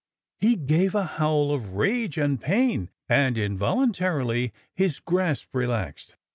He gave a howl of rage and pain, and involuntarily his grasp relaxed.